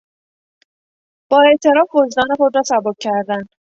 با اعتراف وجدان خود را سبک کردن